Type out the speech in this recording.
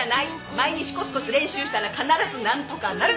毎日こつこつ練習したら必ず何とかなる！